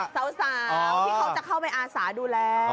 สาวที่เขาจะเข้าไปอาสาดูแล